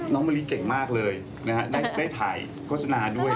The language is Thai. มะลิเก่งมากเลยนะฮะได้ถ่ายโฆษณาด้วย